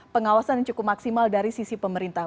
pengawasan yang cukup maksimal dari sisi pemerintah